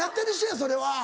それは。